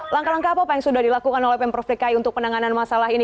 langkah langkah apa yang sudah dilakukan oleh pemprov dki untuk penanganan masalah ini